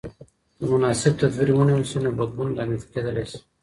که مناسب تدابیر ونیول سي، نو بدلون رامنځته کېدلای سي.